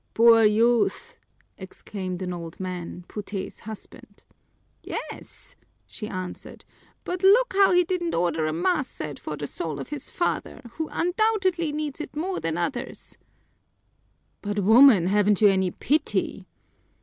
"Poor youth!" exclaimed an old man, Puté's husband. "Yes," she answered, "but look how he didn't order a mass said for the soul of his father, who undoubtedly needs it more than others." "But, woman, haven't you any pity?"